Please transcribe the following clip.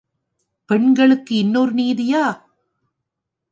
பெண்களுக்கு இன்னொரு நீதியா?